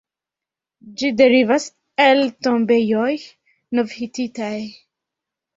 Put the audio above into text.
Ĝi derivas el tombejoj nov-hititaj.